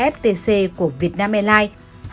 ftc của vietnam airlines